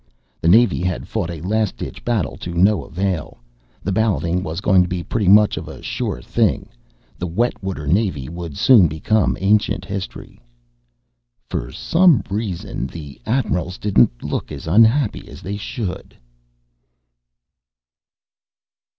The Navy had fought a last ditch battle to no avail. The balloting was going to be pretty much of a sure thing the wet water Navy would soon become ancient history. For some reason the admirals didn't look as unhappy as they should.